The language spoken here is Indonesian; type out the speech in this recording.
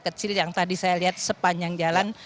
kecil yang tadi saya lihat sepanjang jalan